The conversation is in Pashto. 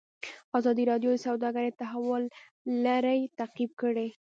ازادي راډیو د سوداګري د تحول لړۍ تعقیب کړې.